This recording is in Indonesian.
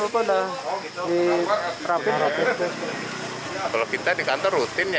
kalau kita di kantor rutin ya